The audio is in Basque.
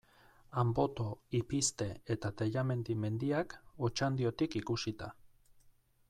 Anboto, Ipizte eta Tellamendi mendiak, Otxandiotik ikusita.